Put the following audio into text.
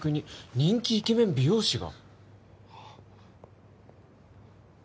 「人気イケメン美容師が！！」